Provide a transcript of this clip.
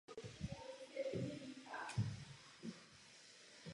V současné době se zde nacházejí knihy v českém i polském jazyce.